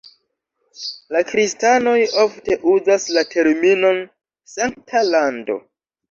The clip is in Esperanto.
La kristanoj ofte uzas la terminon "Sankta Lando".